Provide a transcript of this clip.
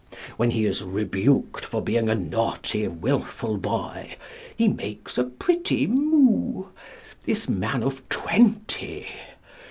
When he is rebuked for being a naughty, wilful boy, he makes a pretty moue this man of twenty!